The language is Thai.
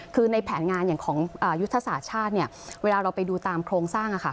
คือในแผนงานอย่างของยุทธศาสตร์ชาติเวลาเราไปดูตามโครงสร้าง